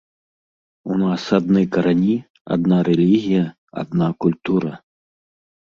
У нас адны карані, адна рэлігія, адна культура.